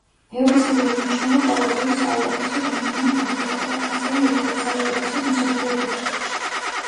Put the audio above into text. ბევრის მიერ მიიჩნევა ყველა დროის საუკეთესო გერმანელ ფეხბურთელად; ასევე ერთ-ერთ საუკეთესოდ მსოფლიო ფეხბურთში.